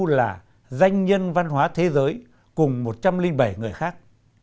là danh nhân văn hóa thế giới cùng một trăm linh bảy người khác